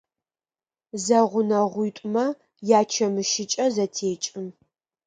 Зэгъунэгъуитӏумэ ячэмыщыкӏэ зэтекӏы.